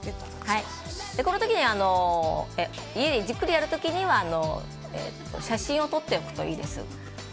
この時に家でじっくりやる時には写真を撮っておくといいです。